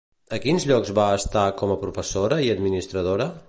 A quins llocs va estar com a professora i administradora?